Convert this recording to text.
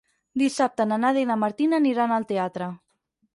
Dissabte na Nàdia i na Martina aniran al teatre.